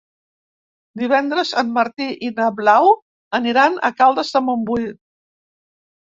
Divendres en Martí i na Blau aniran a Caldes de Montbui.